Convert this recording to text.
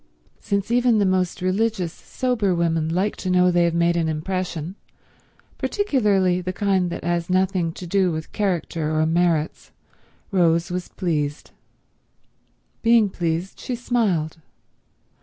Since even the most religious, sober women like to know they have made an impression, particularly the kind that has nothing to do with character or merits, Rose was pleased. Being pleased, she smiled.